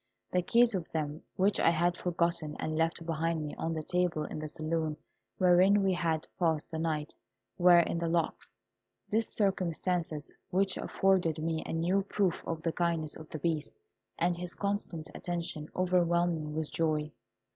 The keys of them, which I had forgotten and left behind me on the table in the saloon wherein we had passed the night, were in the locks. This circumstance, which afforded me a new proof of the kindness of the Beast, and his constant attention, overwhelmed me with joy.